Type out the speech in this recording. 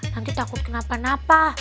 nanti takut kenapa napa